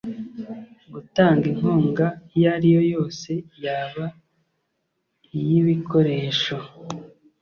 gutanga inkunga iyo ariyo yose yaba iy ibikoresho